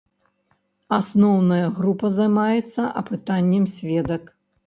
Асноўная група займаецца апытаннем сведак.